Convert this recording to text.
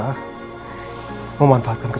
apa elsa memanfaatkan elsa